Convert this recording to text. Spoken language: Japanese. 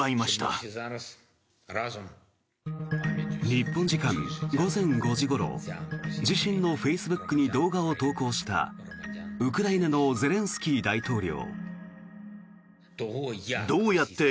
日本時間午前５時ごろ自身のフェイスブックに動画を投稿したウクライナのゼレンスキー大統領。